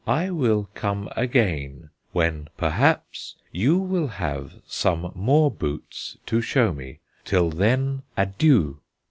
"I will come again, when, perhaps, you will have some more boots to show me. Till then, adieu!"